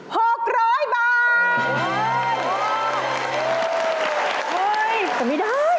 เฮ้ยแต่ไม่ได้